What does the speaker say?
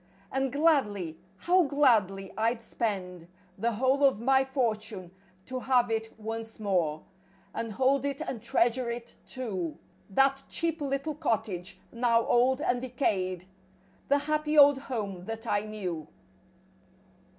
And gladly, how gladly. I'd spend The whole of my fortune to have it once more. And hold it and treasure it, too— That cheap little cottage, now old and decayed— The happy old home that I knew.